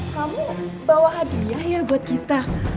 kamu bawa hadiah ya buat kita